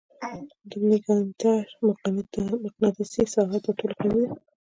د ماګنیټار مقناطیسي ساحه تر ټولو قوي ده.